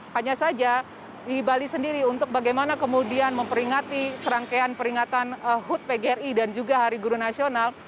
hanya saja di bali sendiri untuk bagaimana kemudian memperingati serangkaian peringatan hud pgri dan juga hari guru nasional